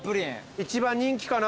一番人気かな。